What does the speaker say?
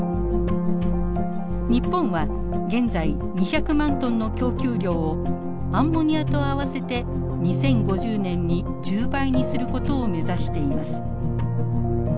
日本は現在２００万トンの供給量をアンモニアと合わせて２０５０年に１０倍にすることを目指しています。ＲＥＰｏｗｅｒＥＵ